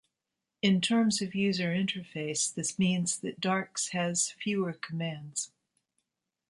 In terms of user interface, this means that Darcs has fewer commands.